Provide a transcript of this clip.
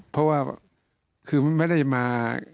เพราะว่าคือไม่ได้มา